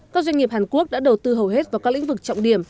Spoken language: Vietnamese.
các doanh nghiệp hàn quốc đã đầu tư hầu hết vào các lĩnh vực trọng điểm